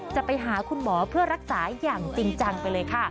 จะไปหาคุณหมอเพื่อรักษาอย่างจริงจังไปเลยค่ะ